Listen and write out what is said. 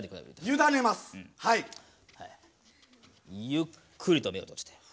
ゆっくりと目を閉じて。